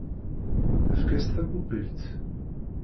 Efk-as tapupilt!